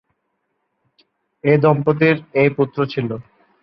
এ দম্পতির এ পুত্র ছিল।